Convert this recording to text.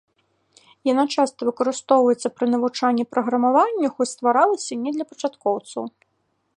Яна часта выкарыстоўваецца пры навучанні праграмаванню, хоць стваралася не для пачаткоўцаў.